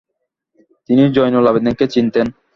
তিনি জয়নুল আবেদিনকে চিনতেন।